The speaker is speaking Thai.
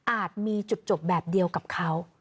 มีจุดจบแบบเดียวกับเขา